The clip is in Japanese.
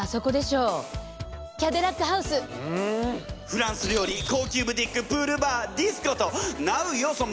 フランス料理高級ブティックプールバーディスコとナウい要素